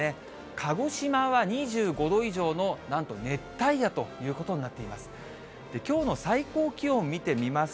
鹿児島は２５度以上の、なんと熱帯夜ということになっています。